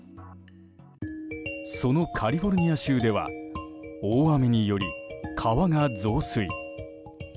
そのカリフォルニア州では大雨により川が増水。